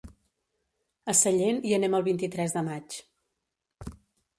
A Sellent hi anem el vint-i-tres de maig.